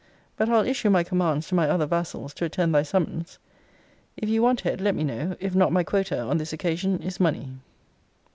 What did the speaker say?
But I'll issue my commands to my other vassals to attend thy summons. If ye want head, let me know. If not, my quota, on this occasion, is money.